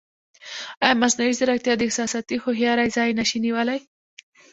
ایا مصنوعي ځیرکتیا د احساساتي هوښیارۍ ځای نه شي نیولی؟